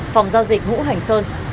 phòng giao dịch hữu hành sơn